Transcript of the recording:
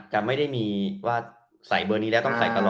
จะไม่ได้มีว่าใส่เบอร์นี้แล้ว